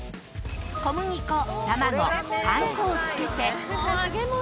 小麦粉卵パン粉をつけて。